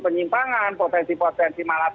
penyimpangan potensi potensi malas